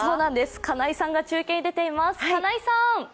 金井さんが中継に出ています。